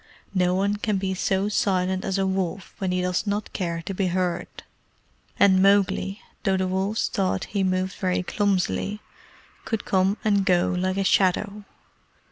No one can be so silent as a wolf when he does not care to be heard; and Mowgli, though the wolves thought he moved very clumsily, could come and go like a shadow.